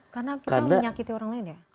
karena menyakiti orang lain ya